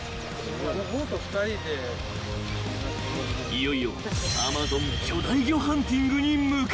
［いよいよアマゾン巨大魚ハンティングに向かう］